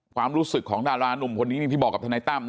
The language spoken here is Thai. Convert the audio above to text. ความรู้สึกของดารานุ่มคนนี้ที่บอกกับทนายตั้มนะ